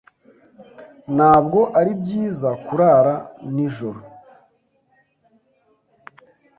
Ntabwo ari byiza kurara nijoro.